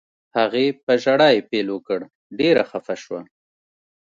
هغې په ژړا یې پیل وکړ، ډېره خفه شوه.